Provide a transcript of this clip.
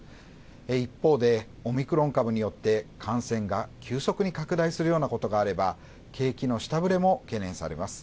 一方で、オミクロン株によって感染が急速に拡大するようなことがあれば景気の下ぶれも懸念されます。